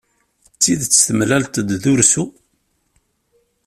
D tidet temlaleḍ-d ursu?